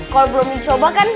kalau belum dicoba kan